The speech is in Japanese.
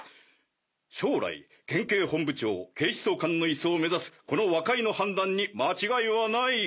将来県警本部長警視総監の椅子を目指すこの若井の判断に間違いはない！